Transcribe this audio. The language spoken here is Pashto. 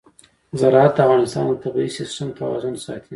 زراعت د افغانستان د طبعي سیسټم توازن ساتي.